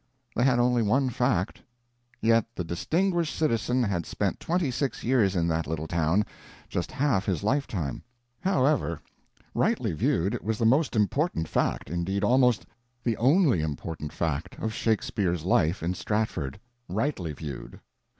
They had only one fact, yet the distinguished citizen had spent twenty six years in that little town—just half his lifetime. However, rightly viewed, it was the most important fact, indeed almost the only important fact, of Shakespeare's life in Stratford. Rightly viewed.